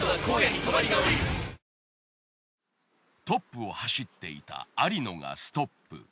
トップを走っていたありのがストップ。